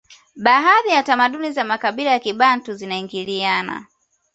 baadhi ya tamaduni za makabila ya kibantu zinaingiliana